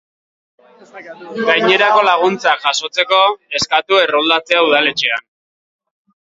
Gainerako laguntzak jasotzeko, eskatu erroldatzea udaletxean.